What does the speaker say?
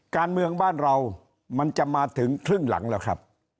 การเมืองบ้านเรามันจะมาถึงครึ่งหลังแล้วครับ